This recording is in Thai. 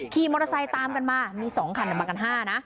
ขี่มอเตอร์ไซค์ตามกันมามี๒คันมากัน๕นะ